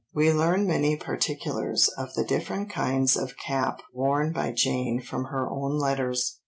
We learn many particulars of the different kinds of cap worn by Jane from her own letters.